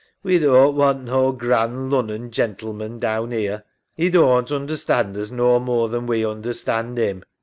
We doan't want no grand Lunnon gentlemen down 'ere. 'E doan't understand us no more than we understand 'im.